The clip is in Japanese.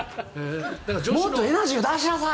もっとエナジーを出しなさい！